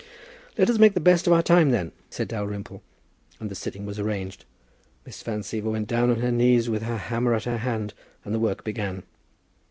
"Let us make the best of our time then," said Dalrymple; and the sitting was arranged; Miss Van Siever went down on her knees with her hammer in her hand, and the work began.